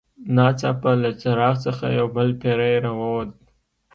ناڅاپه له څراغ څخه یو بل پیری راووت.